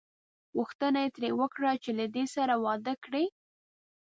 غوښتنه یې ترې وکړه چې له دې سره واده وکړي.